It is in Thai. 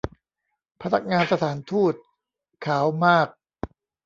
พนักงานสถานฑูต ขาวมาก